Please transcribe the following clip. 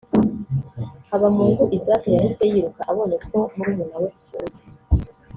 Habamungu Isac yahise yiruka abonye ko murumuna we apfuye